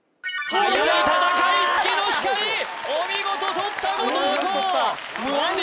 はやい戦い「月の光」お見事とった後藤弘何で？